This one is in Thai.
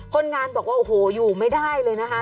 คนงานบอกว่าโอ้โหอยู่ไม่ได้เลยนะคะ